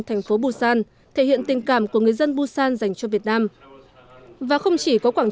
thành phố busan thể hiện tình cảm của người dân busan dành cho việt nam và không chỉ có quảng